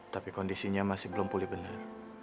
tapi kondisinya masih belum pulih benar